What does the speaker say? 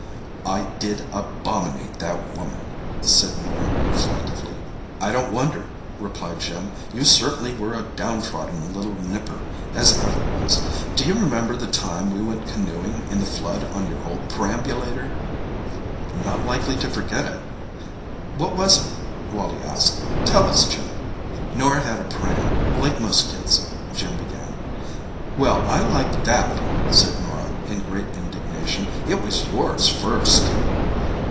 "I did abominate that woman," said Norah reflectively. "I don't wonder," replied Jim. "You certainly were a downtrodden little nipper as ever was. D'you remember the time we went canoeing in the flood on your old p'rambulator?" "Not likely to forget it." "What was it?" Wally asked. "Tell us, Jim." "Norah had a pram—like most kids," Jim began. "Well, I like that," said Norah, in great indignation. "It was yours first!"